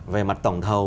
về mặt tổng thầu